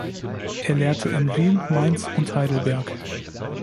Er lehrte in Wien, Mainz und Heidelberg.